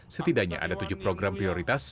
setidaknya ada tujuh program prioritas